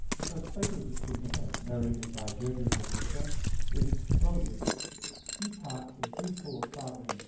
Thus Plato's opinion, as narrated by Gregory of Nyssa (De Provid. viii, 3), is exploded. He taught a threefold providence.